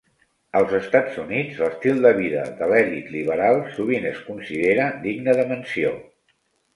Als Estats Units, l'estil de vida de l'elit liberal sovint es considera digne de menció.